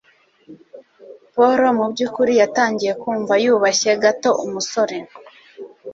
Paul mubyukuri yatangiye kumva yubashye gato umusore.